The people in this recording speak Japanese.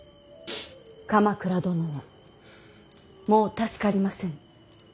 鎌倉殿はもう助かりませぬ。